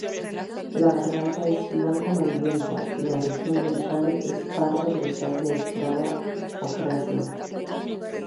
La garganta es blanco-amarillenta y la región ventral es pardo grisácea estriada de ocráceo.